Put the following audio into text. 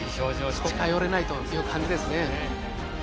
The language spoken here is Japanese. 近寄れないという感じですね。